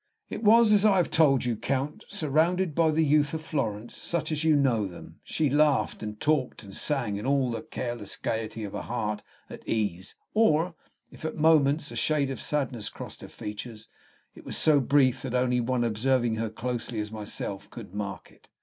"It was as I have told you, Count. Surrounded by the youth of Florence, such as you know them, she laughed, and talked, and sang, in all the careless gayety of a heart at ease; or, if at moments a shade of sadness crossed her features, it was so brief that only one observing her closely as myself could mark it."